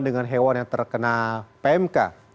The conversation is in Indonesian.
dengan hewan yang terkena pmk